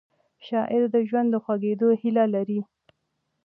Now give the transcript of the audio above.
شاعر د ژوند د خوږېدو هیله لري